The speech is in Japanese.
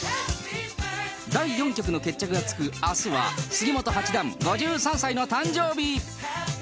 第４局の決着がつくあすは、杉本八段５３歳の誕生日。